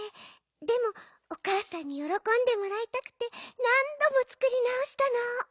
でもおかあさんによろこんでもらいたくてなんどもつくりなおしたの。